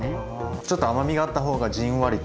ちょっと甘みがあった方がじんわりと。